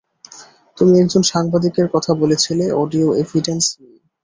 তুমি একজন সাংবাদিকের কথা বলেছিলে অডিও এভিডেন্স নিয়ে।